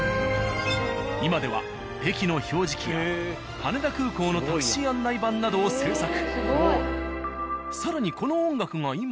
今では駅の表示器や羽田空港のタクシー案内板などを製作。